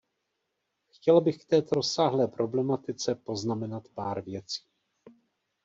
Chtěla bych k této rozsáhlé problematice poznamenat pár věcí.